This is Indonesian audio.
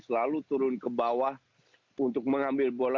saya rusak dengan denda mereka